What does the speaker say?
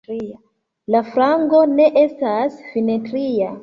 La flago ne estas simetria.